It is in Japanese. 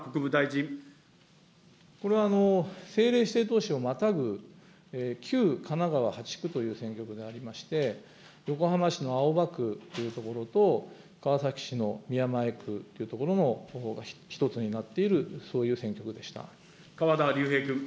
これは政令指定都市をまたぐ、旧神奈川８区という選挙区でありまして、横浜市の青葉区という所と、川崎市の宮前区という所の１つになっている、そういう選挙区でし川田龍平君。